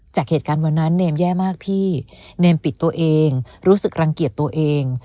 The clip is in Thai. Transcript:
จากเหตุการณ์วันนั้นเนมแย่มากพี่เนมปิดตัวเองรู้สึกรังเกียจตัวเอง